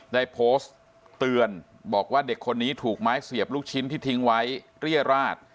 ได้โพสต์เตือนบอกว่าเด็กคนนี้ถูกไม้เสียบลูกชิ้นที่ทิ้งไว้เรียราช